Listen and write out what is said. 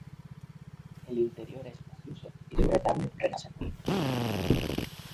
El interior es espacioso y su retablo renacentista.